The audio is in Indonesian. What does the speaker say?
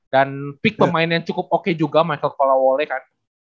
dan pick pemain yang cukup oke juga michael colauole kan